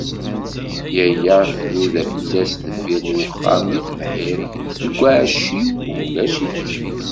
Yaya tnuda fell-as deffir n uxxam, di tebḥirt, deg uɛecciw. Ulac-itt.